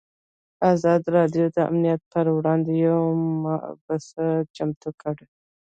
ازادي راډیو د امنیت پر وړاندې یوه مباحثه چمتو کړې.